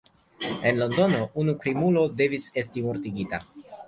En Londono unu krimulo devis esti mortigita.